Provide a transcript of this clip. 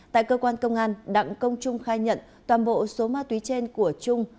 tại cơ quan công an đặng công trung khai nhận toàn bộ số ma túy trên của trung